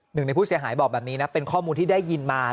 หนึ่งในผู้เสียหายบอกแบบนี้นะเป็นข้อมูลที่ได้ยินมา